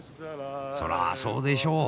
そらあそうでしょう。